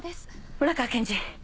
村川検事。